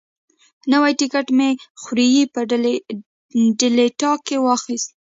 نوی ټکټ مې خوریي په ډیلټا کې واخیست.